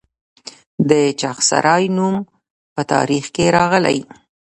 د چغسرای نوم په تاریخ کې راغلی